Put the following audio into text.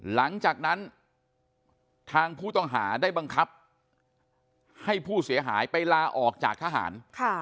หลังจากนั้นทางผู้ต้องหาได้บังคับให้ผู้เสียหายไปลาออกจากทหาร